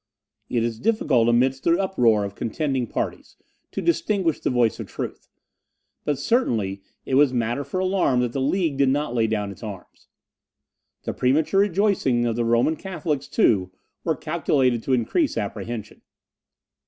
It is difficult, amidst the uproar of contending parties, to distinguish the voice of truth; but certainly it was matter for alarm that the League did not lay down its arms. The premature rejoicings of the Roman Catholics, too, were calculated to increase apprehension.